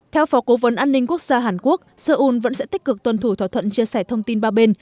theo phó cố vấn an ninh quốc gia hàn quốc seoul vẫn sẽ tích cực tuân thủ thỏa thuận chia sẻ thông tin ba bên